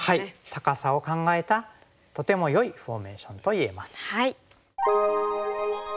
高さを考えたとてもよいフォーメーションと言えます。